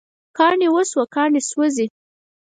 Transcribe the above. کاڼي وسوه، کاڼي سوزی